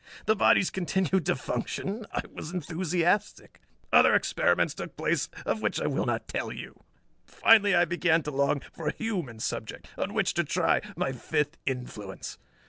The bodies continued to function. I was enthusiastic. Other experiments took place of which I will not tell you. Finally I began to long for a human subject on which to try my fifth influence."